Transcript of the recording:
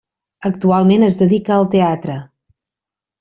Actualment es dedica al teatre.